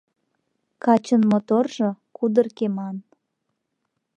Качын моторжо — кудыр кеман